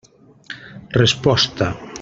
Resposta.